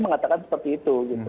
mengatakan seperti itu